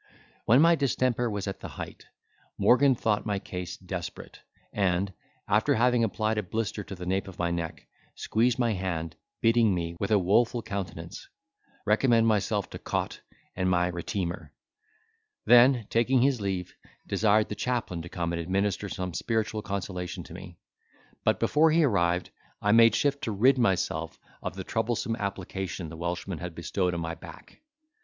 When my distemper was at the height, Morgan thought my case desperate, and, after having applied a blister to the nape of my neck, squeezed my hand, bidding me, with a woful countenance, recommend myself to Cot and my Reteemer; then, taking his leave, desired the chaplain to come and administer some spiritual consolation to me; but, before he arrived, I made shift to rid myself of the troublesome application the Welshman had bestowed on my back.